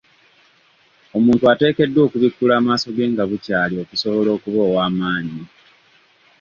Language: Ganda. Omuntu ateekeddwa okubikkula amaaso ge nga bukyali okusobola okuba ow'amaanyi.